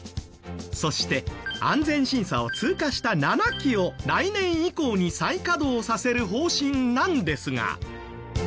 そして安全審査を通過した７基を来年以降に再稼働させる方針なんですが。